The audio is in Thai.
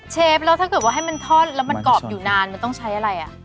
เชฟแล้วถ้าเกิดว่าให้มันทอดแล้วมันกรอบอยู่นานมันต้องใช้อะไรอ่ะ